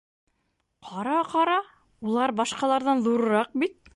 — Ҡара, ҡара, улар башҡаларҙан ҙурыраҡ бит!